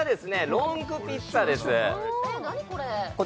ロングピッツァですえ何これ？